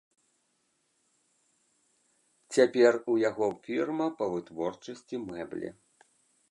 Цяпер у яго фірма па вытворчасці мэблі.